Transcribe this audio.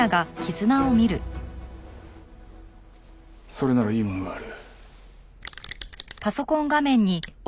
それならいいものがある。